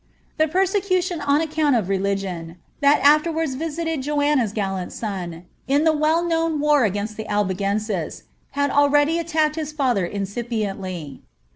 The persecution on account of religion, that afterwards visited Joanna's gallant son, in the well known war against the Albigenses, had already attacked his father incipiently.